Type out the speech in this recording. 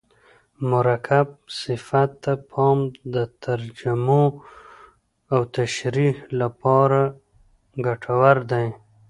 مرکب صفت ته پام د ترجمو او تشریحو له پاره ګټور دئ.